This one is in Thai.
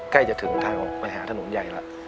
ใกล้จะถึงเท่าไปหาถนนใหญ่แล้ว